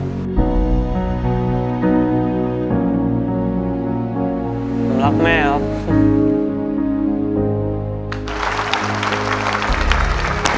ผมรักแม่เขา